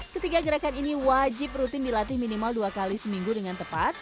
ketiga gerakan ini wajib rutin dilatih minimal dua kali seminggu dengan tepat